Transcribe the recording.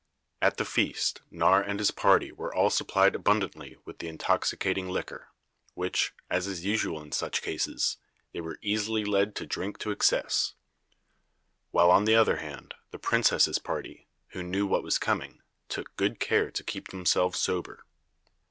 At the feast Nawr and his party were all supplied abundantly with the intoxicating liquor, which, as is usual in such cases, they were easily led to drink to excess; while, on the other hand, the princess's party, who knew what was coming, took good care to keep themselves sober.